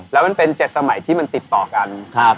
แล้วมันเป็น๗สมัยที่มันติดต่อกัน